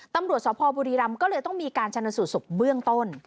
ตำรวจสพบุรีรำก็เลยต้องมีการชนสูตรศพเบื้องต้น